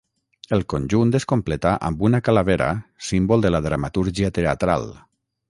El conjunt es completa amb una calavera símbol de la dramatúrgia teatral.